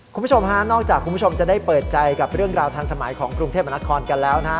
คุณผู้ชมฮะนอกจากคุณผู้ชมจะได้เปิดใจกับเรื่องราวทันสมัยของกรุงเทพมนาคอนกันแล้วนะฮะ